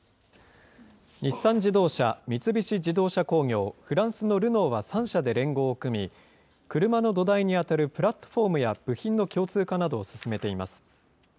日産自動車、三菱自動車工業、フランスのルノーは３社で連合を組み、車の土台に当たるプラットフォームや部品の共通化などを進めています。